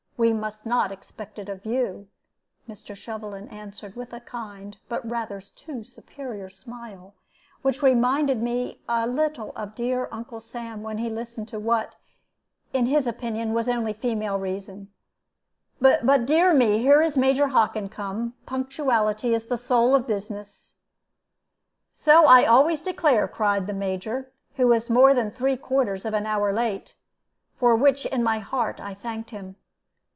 We must not expect it of you," Mr. Shovelin answered, with a kind but rather too superior smile, which reminded me a little of dear Uncle Sam when he listened to what, in his opinion, was only female reason; "but, dear me, here is Major Hockin come! Punctuality is the soul of business." "So I always declare," cried the Major, who was more than three quarters of an hour late, for which in my heart I thanked him.